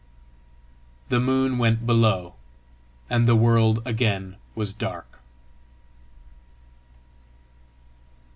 The moon went below, and the world again was dark.